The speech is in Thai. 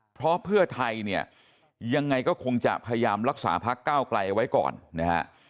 เพราะเพื่อไทยยังไงก็คงจะพยายามลักษารักษาพักก้าวกลัยไว้ก่อน